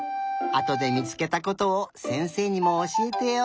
あとでみつけたことをせんせいにもおしえてよ。